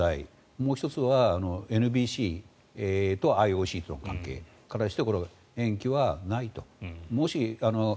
もう１つはＮＢＣとＩＯＣとの関係からして延期はないと。